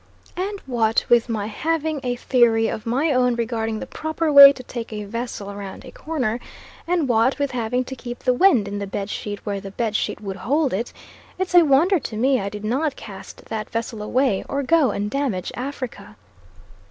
And what with my having a theory of my own regarding the proper way to take a vessel round a corner, and what with having to keep the wind in the bed sheet where the bed sheet would hold it, it's a wonder to me I did not cast that vessel away, or go and damage Africa.